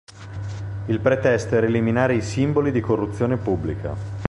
Il pretesto era eliminare i simboli di corruzione pubblica.